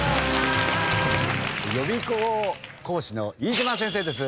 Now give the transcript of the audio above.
予備校講師の飯島先生です。